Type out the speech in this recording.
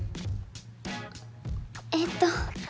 えっと